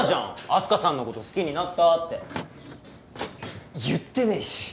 あす花さんのこと好きになったって言ってねえし！